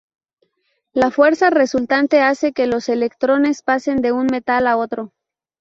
La fuerza resultante hace que los electrones pasen de un metal a otro.